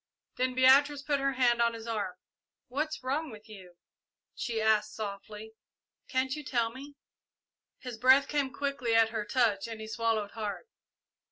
Then Beatrice put her hand on his arm. "What's wrong with you?" she asked softly; "can't you tell me?" His breath came quickly at her touch and he swallowed hard.